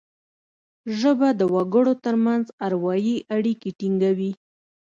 ژبه د وګړو ترمنځ اروايي اړیکي ټینګوي